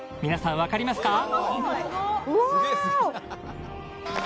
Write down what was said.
皆さん、分かりますか？